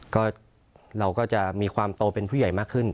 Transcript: ก็เราก็จะมีความโตเป็นผู้ใหญ่มากขึ้น